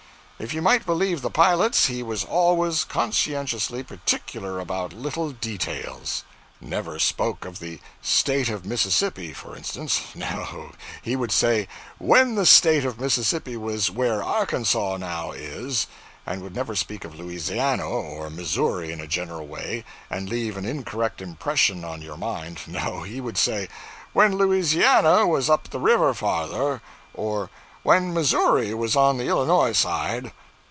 If you might believe the pilots, he was always conscientiously particular about little details; never spoke of 'the State of Mississippi,' for instance no, he would say, 'When the State of Mississippi was where Arkansas now is,' and would never speak of Louisiana or Missouri in a general way, and leave an incorrect impression on your mind no, he would say, 'When Louisiana was up the river farther,' or 'When Missouri was on the Illinois side.'